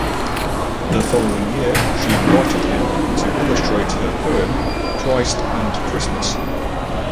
The following year she invited him to illustrate her poem "Christ and Christmas".